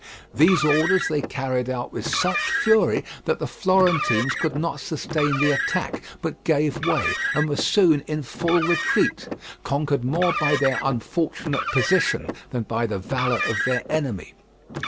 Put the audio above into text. These orders they carried out with such fury that the Florentines could not sustain the attack, but gave way, and were soon in full retreat—conquered more by their unfortunate position than by the valour of their enemy.